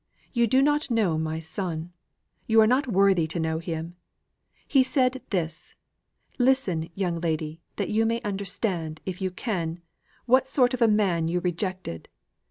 You do not know my son. You are not worthy to know him. He said this. Listen, young lady, that you may understand, if you can, what sort of a man you rejected.